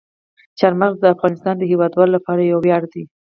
چار مغز د افغانستان د هیوادوالو لپاره یو ویاړ دی.